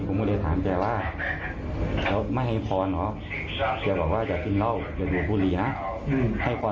ผมก็เลยไปดึงไอ้ไม้พาวเจ้ามาจะเลยถอดไป